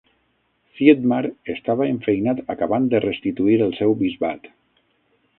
Thietmar estava enfeinat acabant de restituir el seu bisbat.